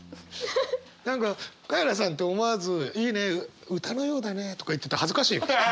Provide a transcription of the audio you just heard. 何かカエラさんって思わず「いいね。歌のようだね」とか言ってて恥ずかしい！